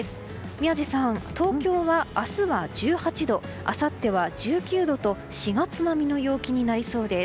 宮司さん、東京は明日は１８度あさっては１９度と４月並みの陽気になりそうです。